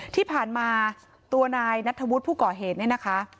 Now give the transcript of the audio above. ที่ผ่านมาตัวนายนัทธวุฒิผู้ก่อเหตุเนี่ยนะคะ